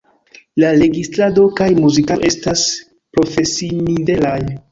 La registrado kaj muzikado estas profesinivelaj.